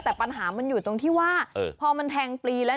แต่ปัญหามันอยู่ตรงที่ว่าพอมันแทงปลีแล้ว